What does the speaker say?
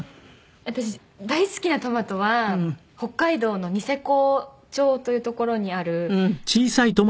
私大好きなトマトは北海道のニセコ町という所にあるあっ！